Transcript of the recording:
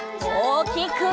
おおきく！